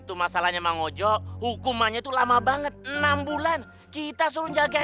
umi tenang dulu umi ini ketonganku